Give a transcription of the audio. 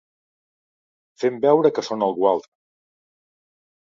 Fent veure que són algú altre.